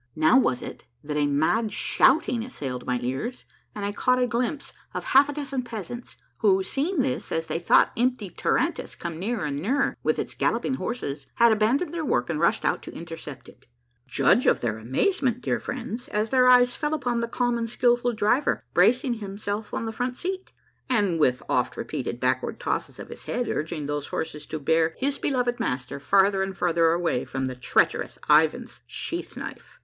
Now was it that a mad shouting assailed my ears and I caught a glimpse of half a dozen peasants who, seeing this, as they thought. A MARVELLOUS UNDERGROUND JOURNEY 19 empty tarantass come nearer and nearer with its galloping horses, had abandoned their work and rushed out to intercept it. Judge of their amazement, dear friends, as their eyes fell upon the calm and skilful driver bracing himself on the front seat, and with oft repeated backward tosses of his head urging those horses to bear his beloved master farther and farther away from the treacherous Ivan's sheath knife.